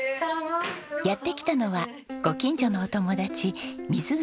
やって来たのはご近所のお友達水口眞弓さん。